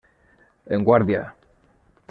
En guàrdia!